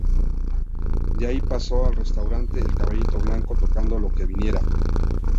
De allí pasó al restaurante El Caballito Blanco, tocando lo que viniera.